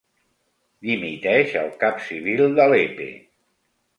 Dimiteix el cap civil de Lepe.